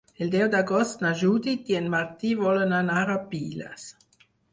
El deu d'agost na Judit i en Martí volen anar a Piles.